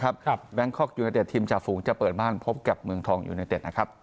แบงคลอกยูนาโตเตสทีมห์จ่าโฝงจะเปิดบ้านพบกับเมืองทองยูเนตเดต